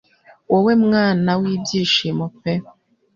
Wowe mwana wibyishimo pe